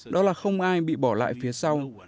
đó là không ai bị bỏ lại phía sau